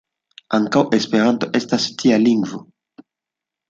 Ankaŭ Esperanto estas tia lingvo.